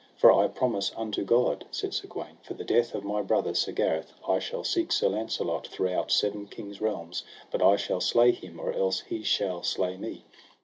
For I promise unto God, said Sir Gawaine, for the death of my brother, Sir Gareth, I shall seek Sir Launcelot throughout seven kings' realms, but I shall slay him or else he shall slay me.